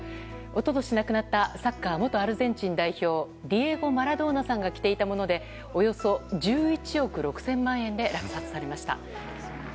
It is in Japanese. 一昨年亡くなったサッカー元アルゼンチン代表ディエゴ・マラドーナさんが着ていたものでおよそ１１億６０００万円で落札されました。